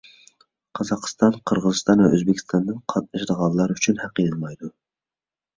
قازاقىستان، قىرغىزىستان ۋە ئۆزبېكىستاندىن قاتنىشىدىغانلار ئۈچۈن ھەق ئېلىنمايدۇ.